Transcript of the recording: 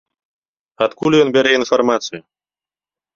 Адкуль ён бярэ інфармацыю?